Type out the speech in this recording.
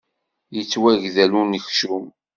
Yettwagdel unekcum.